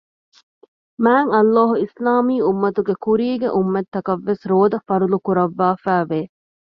މާތްﷲ އިސްލާމީ އުއްމަތުގެ ކުރީގެ އުއްމަތަކަށްވެސް ރޯދަ ފަރްޟުކުރައްވާފައި ވެ